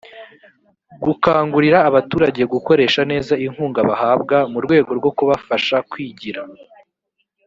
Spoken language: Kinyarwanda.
gukangurira abaturage gukoresha neza inkunga bahabwa mu rwego rwo kubafasha kwigira